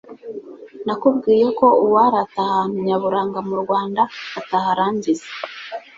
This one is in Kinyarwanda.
Nakubwiye ko uwarata ahantu nyaburanga mu Rwanda ataharangiza.